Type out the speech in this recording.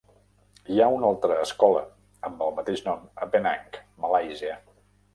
Hi ha una altra escola amb el mateix nom a Penang, Malàisia.